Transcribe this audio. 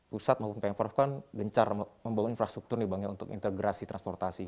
pusat maupun pemprov kan gencar membangun infrastruktur nih bang ya untuk integrasi transportasi